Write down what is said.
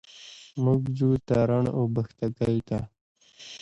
موږ ځو تارڼ اوبښتکۍ ته.